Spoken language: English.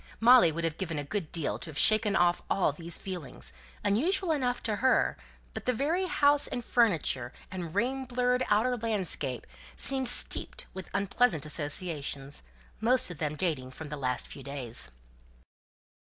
Molly would have given a good deal to have shaken off all these feelings, unusual enough to her; but the very house and furniture, and rain blurred outer landscape, seemed steeped with unpleasant associations, most of them dating from the last few days.